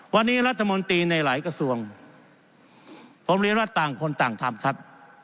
วันนี้รัฐมนตรีในหลายกระทรวงผมเรียนว่าต่างคนต่างทำครับ